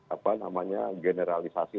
apa namanya generalisasi